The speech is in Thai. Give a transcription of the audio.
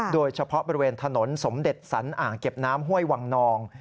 โดยเฉพาะบริเวณถนนสมเด็จสันอ่างเก็บน้ำห้วยวังนอง